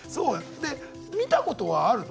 で見たことはあるの？